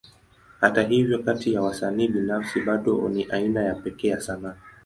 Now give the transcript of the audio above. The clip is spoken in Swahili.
Hata hivyo, kati ya wasanii binafsi, bado ni aina ya pekee ya sanaa.